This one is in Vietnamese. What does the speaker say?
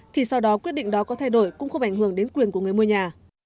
thì sau đó quyết định đó có thay đổi cũng không ảnh hưởng đến quyền của người mua nhà